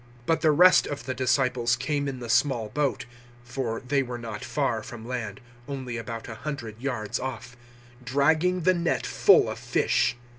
021:008 But the rest of the disciples came in the small boat (for they were not far from land only about a hundred yards off), dragging the net full of fish.